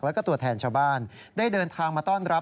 แล้วก็ตัวแทนชาวบ้านได้เดินทางมาต้อนรับ